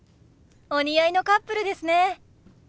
お似合いのカップルですね！